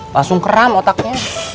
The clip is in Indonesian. langsung keram otaknya